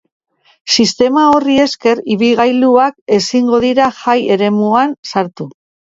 Sistema horri esker, ibilgailuak ezingo dira jai eremuan sartu.